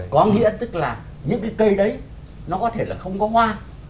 có nghĩa tức là những cái cây đấy nó có thể là không có hoa